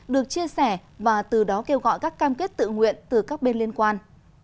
được chia sẻ và từ đó kêu gọi các cam kết tự nguyện từ các bên liên quan